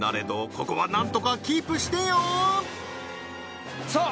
ここはなんとかキープしてよーさあ